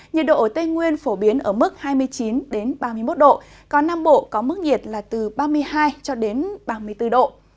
nhiệt độ ở tây nguyên phổ biến ở mức hai mươi chín ba mươi một độ còn nam bộ có mức nhiệt là từ ba mươi hai cho đến ba mươi bốn độ